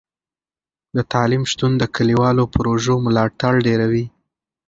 د تعلیم شتون د کلیوالو پروژو ملاتړ ډیروي.